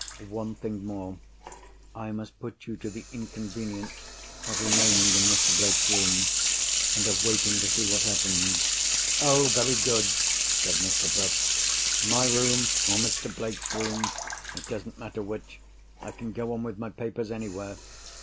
"One thing more. I must put you to the inconvenience of remaining in Mr. Blake's room, and of waiting to see what happens." "Oh, very good!" said Mr. Bruff. "My room, or Mr. Blake's room—it doesn't matter which; I can go on with my papers anywhere.